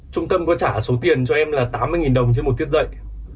trung tâm có trả số tiền cho em là tám mươi đồng trên một tiết dạy